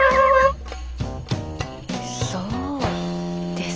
そうですか。